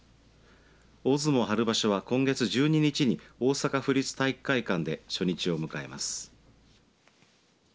大相撲春場所は今月１２日に大阪府立体育会館で初日を迎えます。